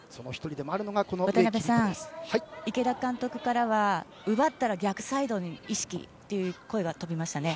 渡辺さん、池田監督からは奪ったら逆サイドを意識という声が飛びましたね。